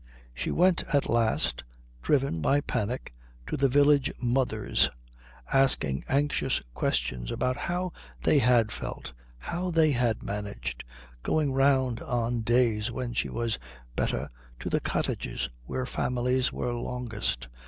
She went at last, driven by panic, to the village mothers, asking anxious questions about how they had felt, how they had managed, going round on days when she was better to the cottages where families were longest.